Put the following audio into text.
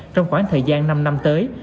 trong khoảng thời gian năm năm tới